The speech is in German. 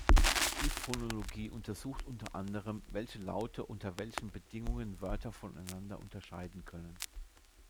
Die Phonologie untersucht unter anderem, welche Laute unter welchen Bedingungen Wörter voneinander unterscheiden können.